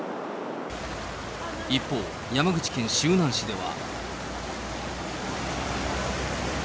一方、山口県周南市では。